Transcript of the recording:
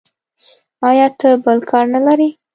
ایا ته بل کار نه لرې.